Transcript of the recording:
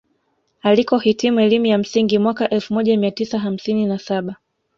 Alikohitimu elimu ya msingi mwaka elfu moja mia tisa hamsini na saba